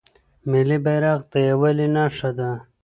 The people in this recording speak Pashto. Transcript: ملي بیرغ د یووالي نښه ده.